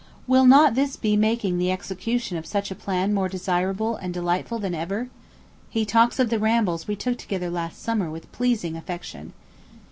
Will not this be making the execution of such a plan more desirable and delightful than ever? He talks of the rambles we took together last summer with pleasing affection.